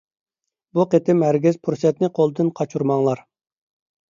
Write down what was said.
بۇ قېتىم ھەرگىز پۇرسەتنى قولدىن قاچۇرماڭلار!